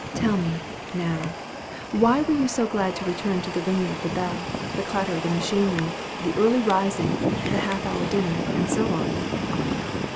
Tell me, now why were you so glad to return to the ringing of the bell, the clatter of the machinery, the early rising, the half hour dinner, and so on?"